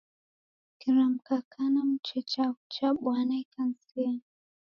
Kiramka kana muche chaghu cha Bwana ikanisenyi.